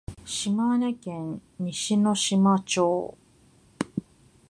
島根県西ノ島町